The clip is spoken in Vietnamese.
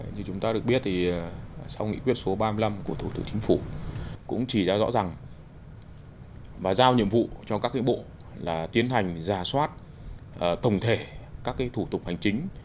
như chúng ta được biết thì sau nghị quyết số ba mươi năm của thủ tướng chính phủ cũng chỉ ra rõ ràng và giao nhiệm vụ cho các bộ là tiến hành giả soát tổng thể các thủ tục hành chính